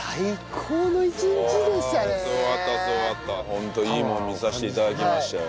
ホントいいものを見させて頂きましたよ。